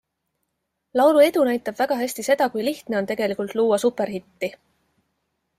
Laulu edu näitab väga hästi seda, kui lihtne on tegelikult luua superhitti.